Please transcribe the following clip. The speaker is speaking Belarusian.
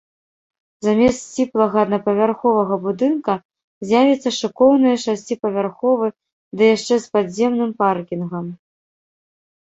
Замест сціплага аднапавярховага будынка з'явіцца шыкоўны шасціпавярховы, ды яшчэ з падземным паркінгам.